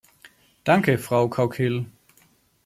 Danke, Frau Cauquil.